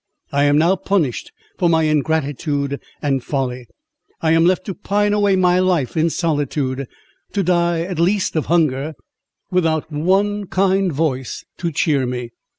I am now punished for my ingratitude and folly. I am left to pine away my life in solitude, to die at least of hunger, without one kind voice to cheer me."